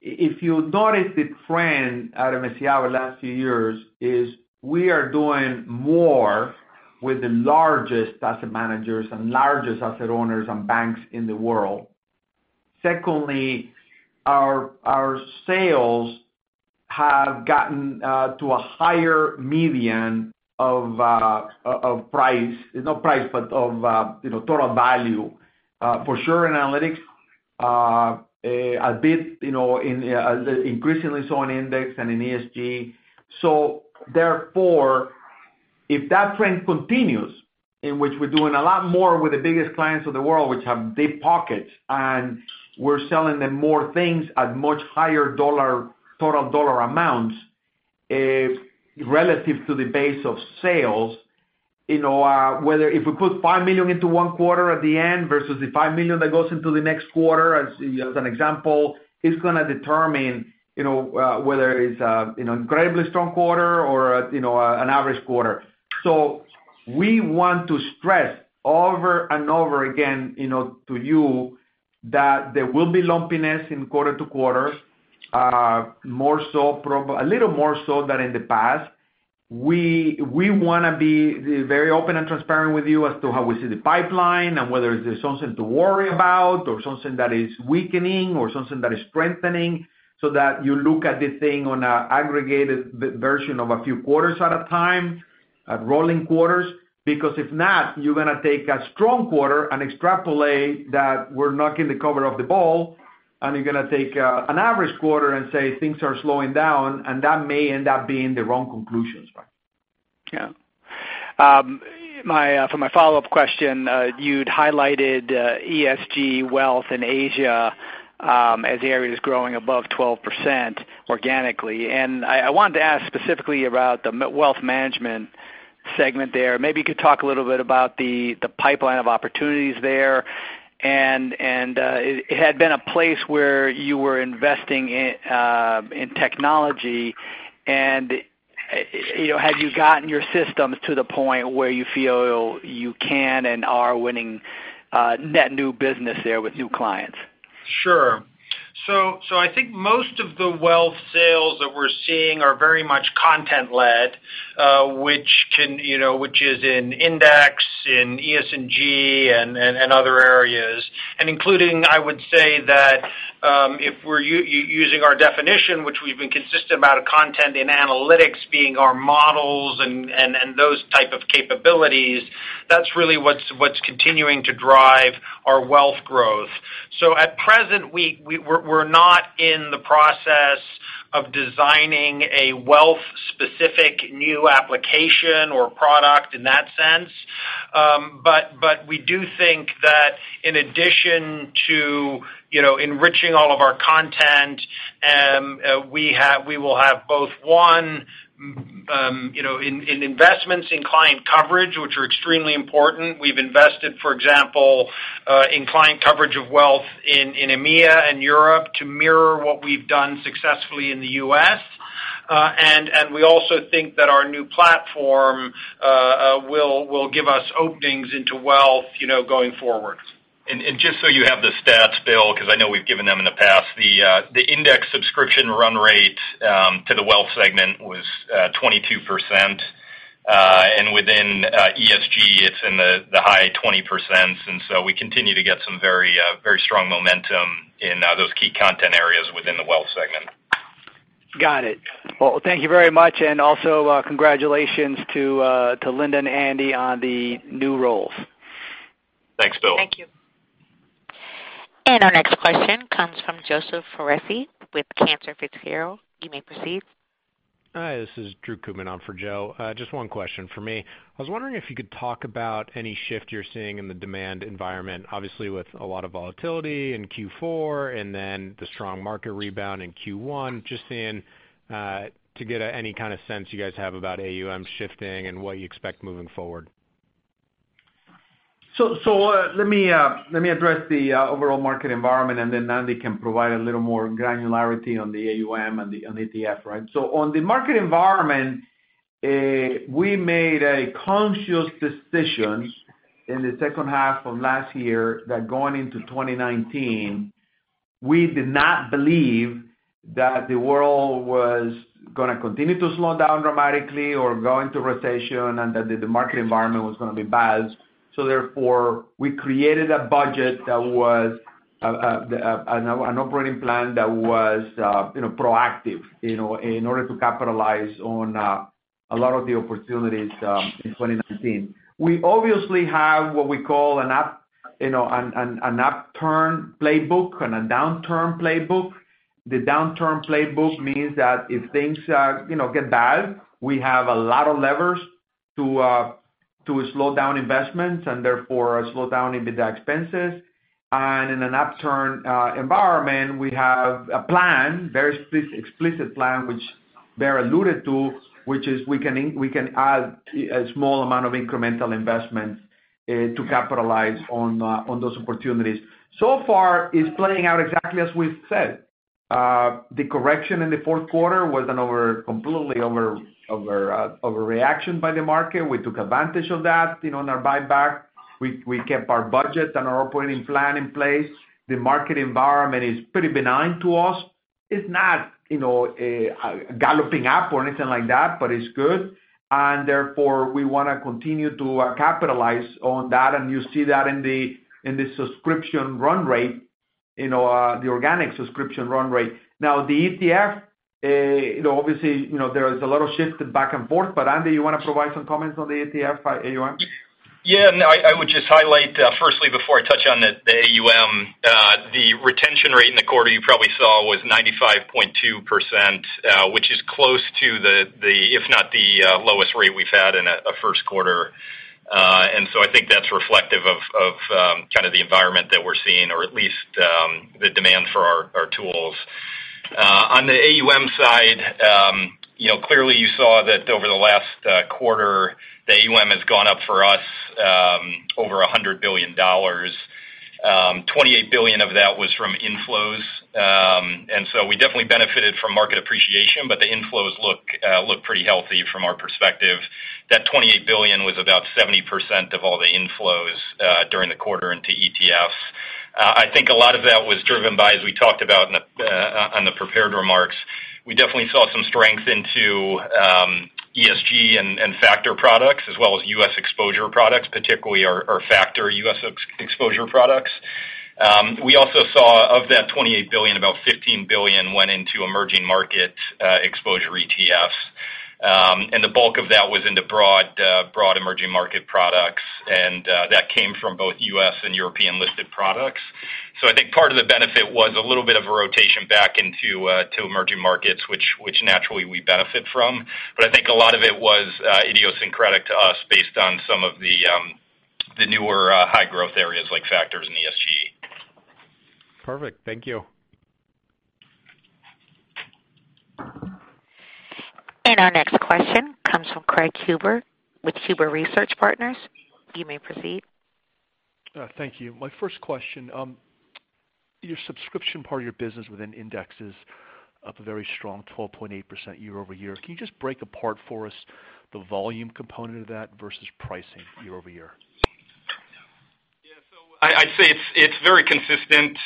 if you noticed the trend out of MSCI over the last few years, is we are doing more with the largest asset managers and largest asset owners and banks in the world. Secondly, our sales have gotten to a higher median of total value. For sure, in analytics, a bit increasingly so in index and in ESG. If that trend continues, in which we're doing a lot more with the biggest clients of the world, which have deep pockets, and we're selling them more things at much higher total dollar amounts relative to the base of sales. Whether if we put $5 million into one quarter at the end versus the $5 million that goes into the next quarter, as an example, it's going to determine whether it's an incredibly strong quarter or an average quarter. We want to stress over and over again to you that there will be lumpiness in quarter to quarter, a little more so than in the past. We want to be very open and transparent with you as to how we see the pipeline and whether there's something to worry about or something that is weakening or something that is strengthening, so that you look at the thing on an aggregated version of a few quarters at a time, at rolling quarters. If not, you're going to take a strong quarter and extrapolate that we're knocking the cover off the ball, and you're going to take an average quarter and say things are slowing down, and that may end up being the wrong conclusions. Yeah. For my follow-up question, you'd highlighted ESG wealth in Asia as areas growing above 12% organically, and I wanted to ask specifically about the wealth management segment there. Maybe you could talk a little bit about the pipeline of opportunities there, and it had been a place where you were investing in technology, and have you gotten your systems to the point where you feel you can and are winning net new business there with new clients? Sure. I think most of the wealth sales that we're seeing are very much content-led, which is in index, in ESG, and other areas. Including, I would say that if we're using our definition, which we've been consistent about a content in analytics being our models and those type of capabilities, that's really what's continuing to drive our wealth growth. At present, we're not in the process of designing a wealth-specific new application or product in that sense. We do think that in addition to enriching all of our content, we will have both one, in investments in client coverage, which are extremely important. We've invested, for example, in client coverage of wealth in EMEA and Europe to mirror what we've done successfully in the U.S. We also think that our new platform will give us openings into wealth going forward. Just so you have the stats, Bill, because I know we've given them in the past, the index subscription run rate to the wealth segment was 22%. Within ESG, it's in the high 20%. We continue to get some very strong momentum in those key content areas within the wealth segment. Got it. Well, thank you very much, and also congratulations to Linda and Andy on the new roles. Thanks, Bill. Thank you. Our next question comes from Joseph Foresi with Cantor Fitzgerald. You may proceed. Hi, this is Drew Kubena on for Joe. Just one question from me. I was wondering if you could talk about any shift you're seeing in the demand environment, obviously with a lot of volatility in Q4 and then the strong market rebound in Q1, just to get any kind of sense you guys have about AUM shifting and what you expect moving forward. Let me address the overall market environment, then Andy can provide a little more granularity on the AUM and the ETF. On the market environment, we made a conscious decision in the second half of last year that going into 2019, we did not believe that the world was going to continue to slow down dramatically or go into recession, that the market environment was going to be bad. Therefore, we created a budget that was an operating plan that was proactive in order to capitalize on a lot of the opportunities in 2019. We obviously have what we call an upturn playbook and a downturn playbook. The downturn playbook means that if things get bad, we have a lot of levers to slow down investments and therefore slow down EBITDA expenses. In an upturn environment, we have a plan, very explicit plan, which Baer alluded to, which is we can add a small amount of incremental investments to capitalize on those opportunities. So far, it's playing out exactly as we've said. The correction in the fourth quarter was completely an overreaction by the market. We took advantage of that in our buyback. We kept our budget and our operating plan in place. The market environment is pretty benign to us. It's not galloping up or anything like that, but it's good. Therefore, we want to continue to capitalize on that. You see that in the subscription run rate, the organic subscription run rate. Now, the ETF, obviously there is a lot of shift back and forth, Andy, you want to provide some comments on the ETF AUM? I would just highlight, firstly, before I touch on the AUM, the retention rate in the quarter you probably saw was 95.2%, which is close to the, if not the lowest rate we've had in a first quarter. I think that's reflective of kind of the environment that we're seeing or at least the demand for our tools. On the AUM side, clearly you saw that over the last quarter, the AUM has gone up for us over $100 billion. $28 billion of that was from inflows. We definitely benefited from market appreciation, the inflows look pretty healthy from our perspective. That $28 billion was about 70% of all the inflows during the quarter into ETFs. I think a lot of that was driven by, as we talked about on the prepared remarks, we definitely saw some strength into ESG and factor products as well as U.S. exposure products, particularly our factor U.S. exposure products. We also saw of that $28 billion, about $15 billion went into Emerging Markets exposure ETFs. The bulk of that was in the broad Emerging Markets products. That came from both U.S. and European-listed products. I think part of the benefit was a little bit of a rotation back into Emerging Markets, which naturally we benefit from. I think a lot of it was idiosyncratic to us based on some of the newer high-growth areas like factors in ESG. Perfect. Thank you. Our next question comes from Craig Huber with Huber Research Partners. You may proceed. Thank you. My first question, your subscription part of your business within indexes, up a very strong 12.8% year-over-year. Can you just break apart for us the volume component of that versus pricing year-over-year? I'd say it's very consistent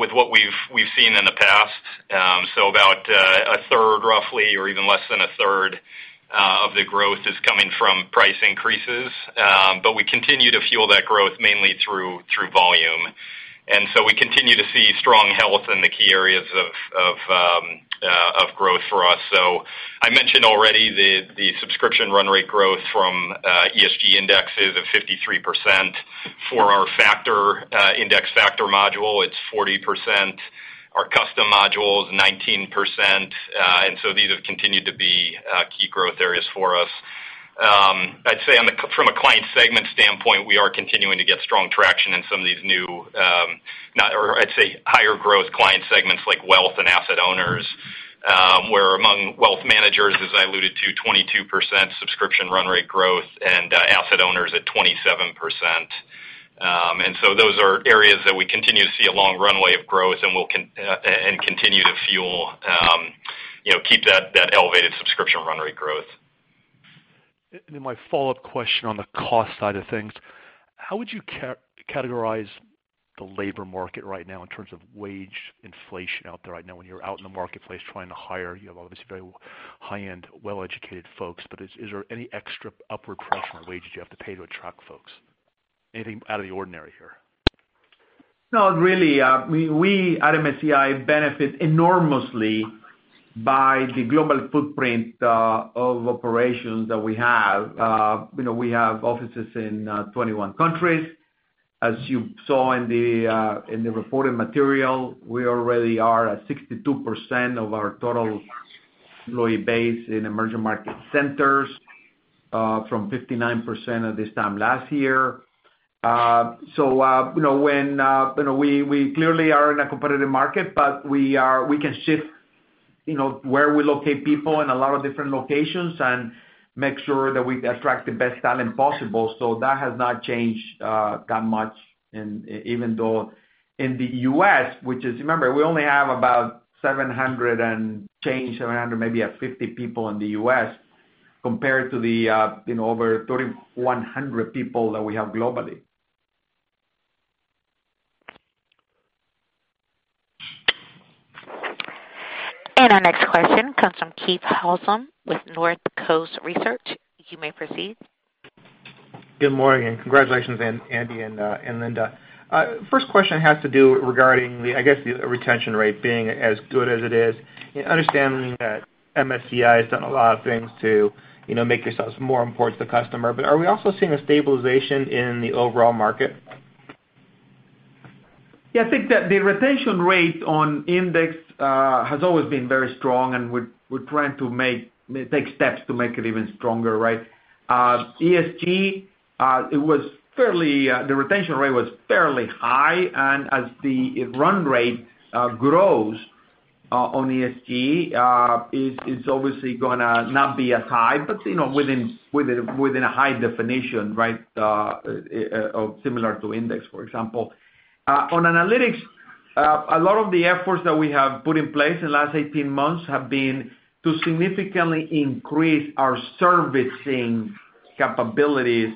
with what we've seen in the past. About a third roughly, or even less than a third of the growth is coming from price increases. We continue to fuel that growth mainly through volume. We continue to see strong health in the key areas of growth for us. I mentioned already the subscription run rate growth from ESG indexes of 53%. For our index factor module, it's 40%. Our custom module is 19%. These have continued to be key growth areas for us. I'd say from a client segment standpoint, we are continuing to get strong traction in some of these new, I'd say, higher growth client segments like wealth and asset owners, where among wealth managers, as I alluded to, 22% subscription run rate growth and asset owners at 27%. Those are areas that we continue to see a long runway of growth and continue to fuel, keep that elevated subscription run rate growth. My follow-up question on the cost side of things. How would you categorize the labor market right now in terms of wage inflation out there right now when you're out in the marketplace trying to hire, you have obviously very high-end, well-educated folks, but is there any extra upward pressure on wages you have to pay to attract folks? Anything out of the ordinary here? Not really. We at MSCI benefit enormously by the global footprint of operations that we have. We have offices in 21 countries. As you saw in the reporting material, we already are at 62% of our total employee base in emerging market centers, from 59% at this time last year. We clearly are in a competitive market, but we can shift where we locate people in a lot of different locations and make sure that we attract the best talent possible. That has not changed that much, even though in the U.S., which is, remember, we only have about 700 and change, 700, maybe 750 people in the U.S., compared to the over 3,100 people that we have globally. Our next question comes from Keith Housum with Northcoast Research. You may proceed. Good morning, and congratulations, Andy and Linda. First question has to do regarding the retention rate being as good as it is, understanding that MSCI has done a lot of things to make yourselves more important to the customer. Are we also seeing a stabilization in the overall market? I think that the retention rate on Index has always been very strong, and we're trying to take steps to make it even stronger, right? ESG, the retention rate was fairly high, and as the run rate grows on ESG, it's obviously going to not be as high, but within a high definition, right? Similar to Index, for example. On analytics, a lot of the efforts that we have put in place in the last 18 months have been to significantly increase our servicing capabilities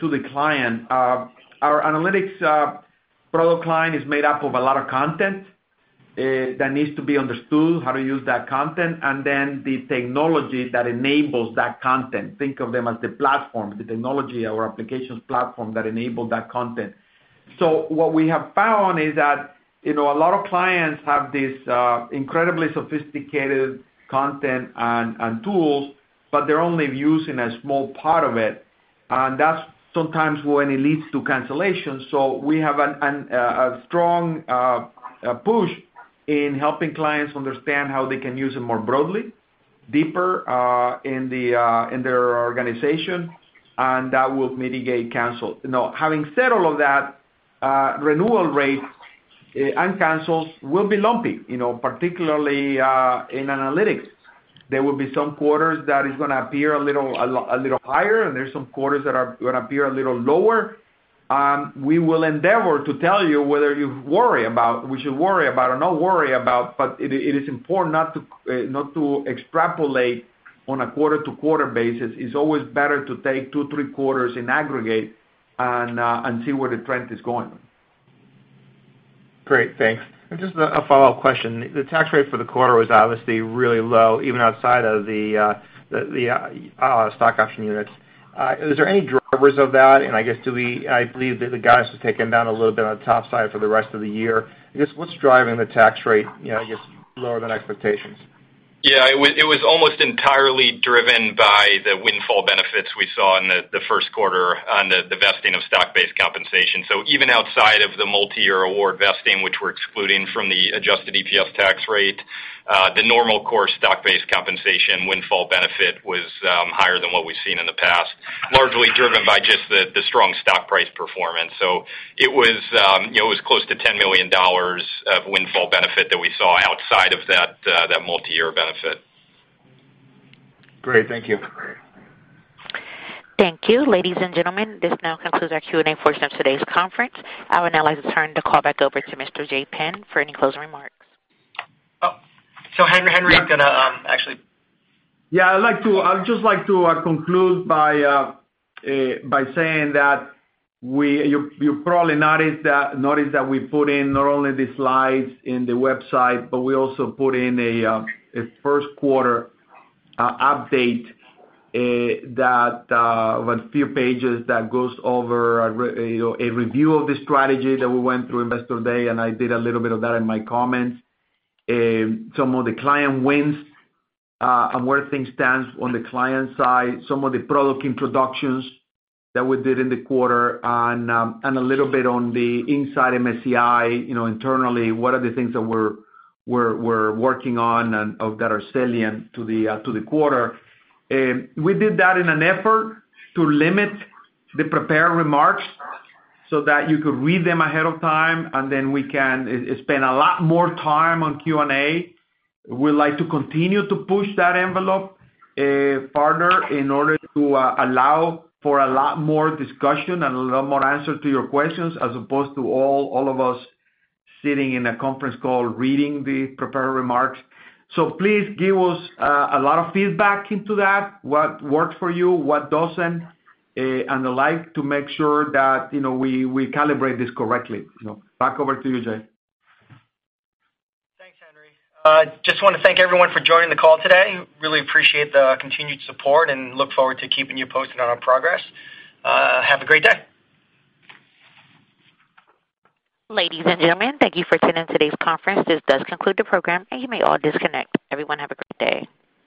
to the client. Our analytics product line is made up of a lot of content that needs to be understood, how to use that content, and then the technology that enables that content. Think of them as the platform, the technology, our applications platform that enable that content. What we have found is that a lot of clients have these incredibly sophisticated content and tools, but they're only using a small part of it. That's sometimes when it leads to cancellations. We have a strong push in helping clients understand how they can use it more broadly, deeper in their organization, and that will mitigate cancel. Having said all of that, renewal rates and cancels will be lumpy, particularly in analytics. There will be some quarters that is going to appear a little higher, and there's some quarters that are going to appear a little lower. We will endeavor to tell you whether we should worry about or not worry about, but it is important not to extrapolate on a quarter-to-quarter basis. It's always better to take two, three quarters in aggregate and see where the trend is going. Great. Thanks. Just a follow-up question. The tax rate for the quarter was obviously really low, even outside of the stock option units. Is there any drivers of that? I guess, I believe that the guys have taken down a little bit on the top side for the rest of the year. I guess, what's driving the tax rate, I guess, lower than expectations? Yeah, it was almost entirely driven by the windfall benefits we saw in the first quarter on the vesting of stock-based compensation. Even outside of the multi-year award vesting, which we're excluding from the adjusted EPS tax rate, the normal core stock-based compensation windfall benefit was higher than what we've seen in the past, largely driven by just the strong stock price performance. It was close to $10 million of windfall benefit that we saw outside of that multi-year benefit. Great. Thank you. Thank you. Ladies and gentlemen, this now concludes our Q&A portion of today's conference. I would now like to turn the call back over to Mr. Jay Penn for any closing remarks. Oh, Henry's going to actually Yeah, I'd just like to conclude by saying that you probably noticed that we put in not only the slides in the website, but we also put in a first quarter update, a few pages that goes over a review of the strategy that we went through Investor Day. I did a little bit of that in my comments. Some of the client wins and where things stand on the client side, some of the product introductions that we did in the quarter, a little bit on the inside MSCI internally, what are the things that we're working on and that are salient to the quarter. We did that in an effort to limit the prepared remarks so that you could read them ahead of time, we can spend a lot more time on Q&A. We'd like to continue to push that envelope farther in order to allow for a lot more discussion and a lot more answer to your questions as opposed to all of us sitting in a conference call reading the prepared remarks. Please give us a lot of feedback into that, what works for you, what doesn't, and the like to make sure that we calibrate this correctly. Back over to you, Jay. Thanks, Henry. Just want to thank everyone for joining the call today. Really appreciate the continued support and look forward to keeping you posted on our progress. Have a great day. Ladies and gentlemen, thank you for attending today's conference. This does conclude the program, and you may all disconnect. Everyone have a great day.